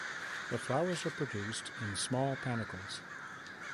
The flowers are produced in small panicles.